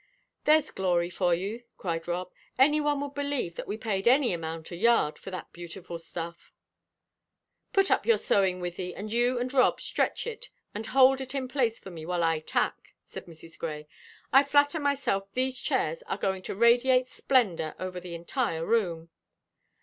"There's glory for you!" cried Rob. "Anyone would believe that we paid any amount a yard for that beautiful stuff." "Put up your sewing, Wythie, and you and Rob stretch it and hold it in place for me while I tack," said Mrs. Grey. "I flatter myself these chairs are going to radiate splendor over the entire room."